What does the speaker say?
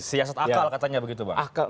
siasat akal katanya begitu bang